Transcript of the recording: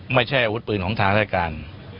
ไม่ใช่อาวุธปืนของทางรายการ